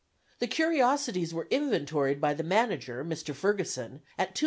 The curiosities were inventoried by the manager, Mr. Ferguson, at $288,000.